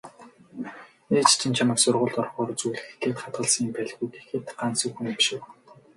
"Ээж чинь чамайг сургуульд орохоор зүүлгэх гээд хадгалсан юм байлгүй" гэхэд Гансүх үнэмшив.